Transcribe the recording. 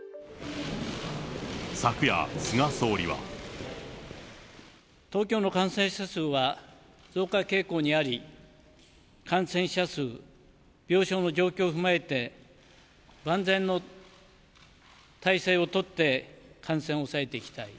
昨夜、東京の感染者数は増加傾向にあり、感染者数、病床の状況を踏まえて、万全の体制を取って感染を抑えていきたい。